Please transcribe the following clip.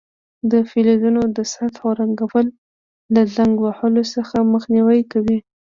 د فلزونو د سطحو رنګول له زنګ وهلو څخه مخنیوی کوي.